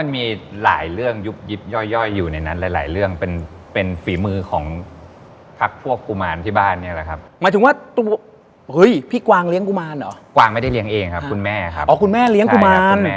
มีหลายเรื่องยุบยิบประซะมุมอยู่ในนั้น